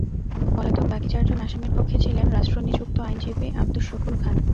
পলাতক বাকি চারজন আসামির পক্ষে ছিলেন রাষ্ট্রনিযুক্ত আইনজীবী আবদুস শুকুর খান।